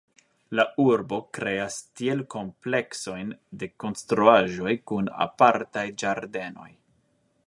La urbo kreas tiel kompleksojn de konstruaĵoj kun apartaj ĝardenoj.